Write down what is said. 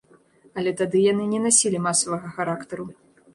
Але тады яны не насілі масавага характару.